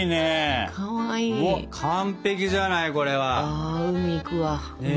あ海行くわ海。